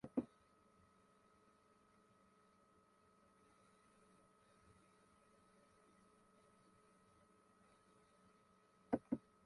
おまけに鍵穴からはきょろきょろ二つの青い眼玉がこっちをのぞいています